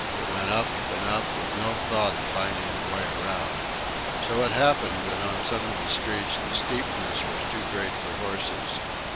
It went up and up, with no thought of finding a way around. So it happened that on some of the streets the steepness was too great for horses.